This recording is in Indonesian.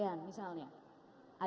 biar akan menjadi lumbung pangan asean